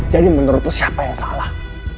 jadi menurut lo siapa yang salah